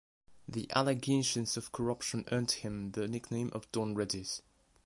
The allegations of corruption earned him the nickname of "Don Readies".